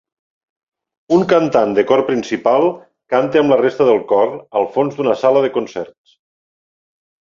Un cantant de cor principal canta amb la resta del cor al fons d'una sala de concerts